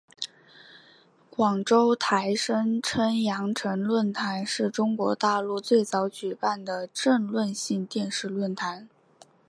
广州台声称羊城论坛是中国大陆最早举办的政论性电视论坛。